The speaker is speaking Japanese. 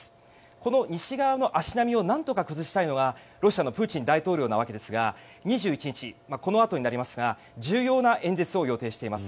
この西側の足並みをなんとか崩したいのがロシアのプーチン大統領なわけですが２１日、このあとになりますが重要な演説を予定しています。